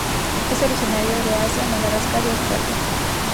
Es originario de Asia, Madagascar y Australia.